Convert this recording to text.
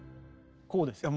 こうですよ。